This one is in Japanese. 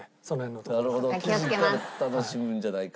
生地から楽しむんじゃないか。